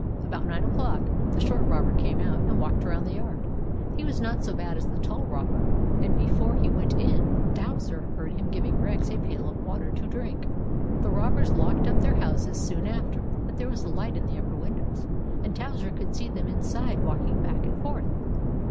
About nine o'clock, the short robber came out and walked around the yard. He was not so bad as the tall robber and, before he went in, Towser heard him giving Rex a pail of water to drink. The robbers locked up their house soon after ; but there was a light in the upper windows, and Towser could see them inside walking back and forth.